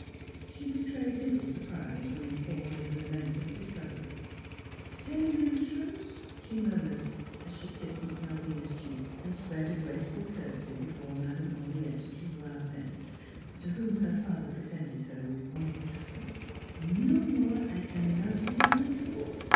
She betrayed little surprise when informed of the momentous discovery. " C'est le meme chose/' she murmured, as she kissed Miss Malvina's cheek and spread a grace ful courtesy before Madame Henriette Dubois Bennett, to whom her father presented her with empressement. " No more I can love you zan be fore.